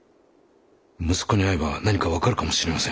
息子に会えば何か分かるかもしれません。